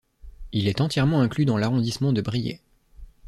Il est entièrement inclus dans l'arrondissement de Briey.